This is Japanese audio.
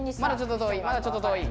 まだちょっと遠い。